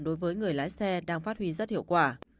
đối với người lái xe đang phát huy rất hiệu quả